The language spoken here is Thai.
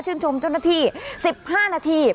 ชมเจ้าหน้าที่๑๕นาที